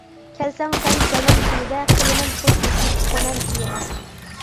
كەلسەڭ سەن جانان چىنىدە، قىلىمەن خۇش تەكلىپ خۇنەن چېيىغا.